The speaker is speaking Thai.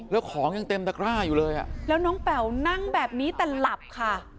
แล้วของยังเต็มตะกร้าอยู่เลยอ่ะแล้วน้องแป๋วนั่งแบบนี้แต่หลับค่ะ